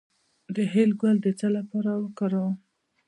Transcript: د هل ګل د څه لپاره وکاروم؟